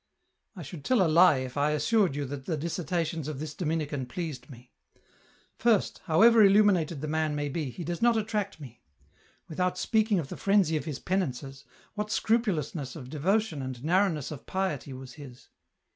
" I should tell a lie if I assured you that the dissertations of this Dominican pleased me. First, however illuminated the man may be, he does not attract me. Without speaking of the frenzy of his penances, what scrupulousness of devotion and narrowness of piety was his